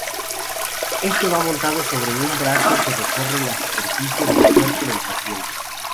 Este va montado sobre un brazo que recorre la superficie del cuerpo del paciente.